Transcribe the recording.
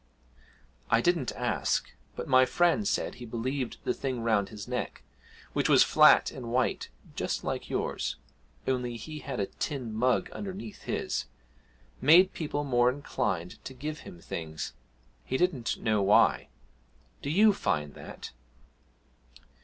'I didn't ask; but my friend said he believed the thing round his neck, which was flat and white just like yours (only he had a tin mug underneath his), made people more inclined to give him things he didn't know why. Do you find that?'